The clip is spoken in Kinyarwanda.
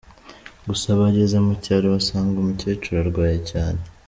Gusa bageze mu cyaro basanga umukecuru arwaye cyane.